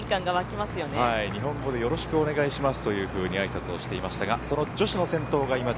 日本語でよろしくお願いしますとあいさつしていました。